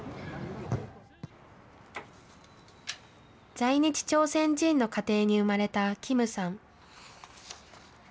在日朝鮮人の家庭に生まれた金さん。